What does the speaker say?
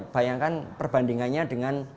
bayangkan perbandingannya dengan